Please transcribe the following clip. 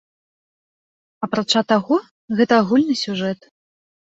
Апрача таго, гэта агульны сюжэт.